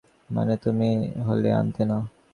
মানে, তুমি হলে আনতে না?